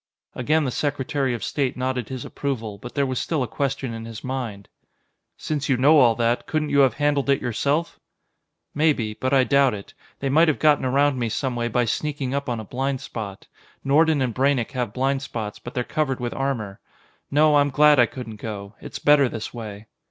Again the Secretary of State nodded his approval, but there was still a question in his mind. "Since you know all that, couldn't you have handled it yourself?" "Maybe, but I doubt it. They might have gotten around me someway by sneaking up on a blind spot. Nordon and Braynek have blind spots, but they're covered with armor. No, I'm glad I couldn't go; it's better this way."